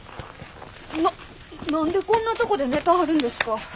な何でこんなとこで寝たはるんですか。